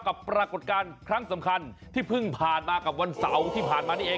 ปรากฏการณ์ครั้งสำคัญที่เพิ่งผ่านมากับวันเสาร์ที่ผ่านมานี่เอง